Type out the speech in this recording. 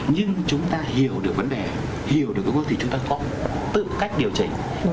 nhưng chúng ta hiểu được vấn đề hiểu được cái vấn đề thì chúng ta có tự cách điều chỉnh